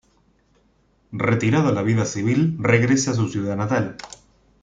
Retirado a la vida civil regresa a su ciudad natal.